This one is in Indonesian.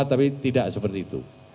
tapi tidak seperti itu